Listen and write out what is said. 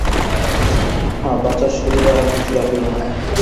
আহা বাছার শরীরে আর কিছু রাখিল না?